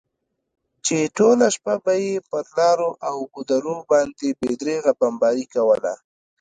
چې ټوله شپه به یې پر لارو او ګودرو باندې بې درېغه بمباري کوله.